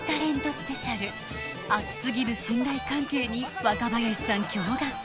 スペシャル熱すぎる信頼関係に若林さん驚がく